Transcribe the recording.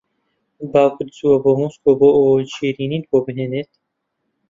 باوکت چووە بۆ مۆسکۆ بۆ ئەوەی شیرینیت بۆ بھێنێت